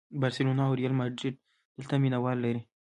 بارسلونا او ریال ماډریډ دلته مینه وال لري.